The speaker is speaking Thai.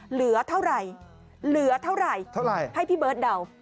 เหลือเท่าไหร่ให้พี่เบิร์ดเดา